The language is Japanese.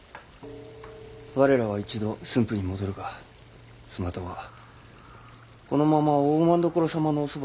我らは一度駿府に戻るがそなたはこのまま大政所様のおそばにいてさしあげたらどうじゃ。